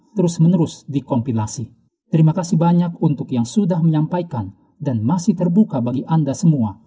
terima kasih banyak untuk yang sudah menyampaikan dan masih terbuka bagi anda semua